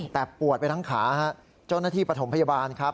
แต่ปวดไปทั้งขาเจ้าหน้าที่ปฐมพยาบาลครับ